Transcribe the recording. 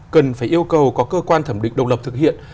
cần phải yêu cầu có cơ quan thẩm định độc lập thực hiện